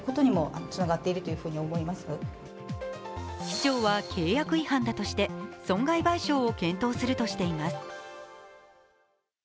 市長は契約違反だとして損害賠償を検討するとしています。